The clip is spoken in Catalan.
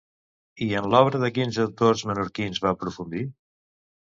I en l'obra de quins autors menorquins va aprofundir?